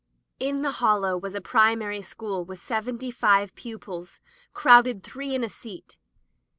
In the Hollow was a primary school with seventy five pupils, crowded three in a seat.